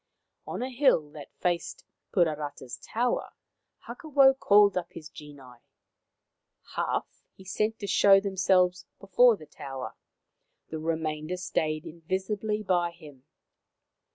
On a hill that faced Puarata's tower Hakawau called up his genii. Half he sent to show them selves before the tower, the remainder stayed invisibly by him.